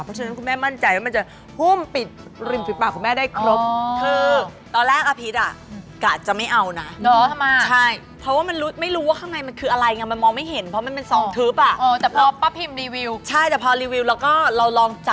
เพราะฉะนั้นคุณแม่มั่นใจว่ามันจะ